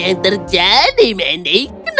apa yang terjadi mendy kenapa kau begitu khawatir